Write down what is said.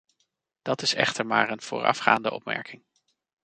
Dat is echter maar een voorafgaande opmerking.